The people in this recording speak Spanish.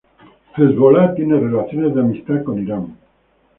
Hezbolá tiene relaciones de amistad con Irán.